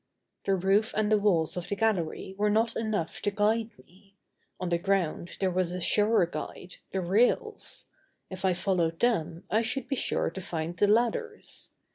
The roof and the walls of the gallery were not enough to guide me; on the ground there was a surer guide, the rails. If I followed them I should be sure to find the ladders.